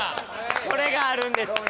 これがあるんです。